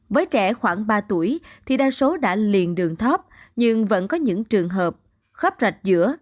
với trẻ khoảng ba tuổi thì đa số đã liền đường thấp nhưng vẫn có những trường hợp khóp rạch giữa